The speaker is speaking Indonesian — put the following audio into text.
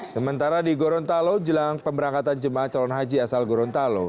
sementara di gorontalo jelang pemberangkatan jemaah calon haji asal gorontalo